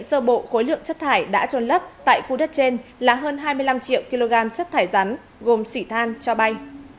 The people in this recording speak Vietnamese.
sơ bộ khối lượng chất thải đã trôn lấp tại khu đất trên là hơn hai mươi năm triệu kg chất thải rắn gồm xỉ than cho bay